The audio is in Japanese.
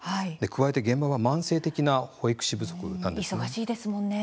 加えて現場は、慢性的な保育士不足なんですね。